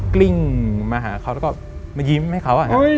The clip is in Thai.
กลิ้งมาหาเขาแล้วก็มายิ้มให้เขา